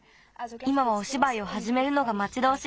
いまはおしばいをはじめるのがまちどおしい。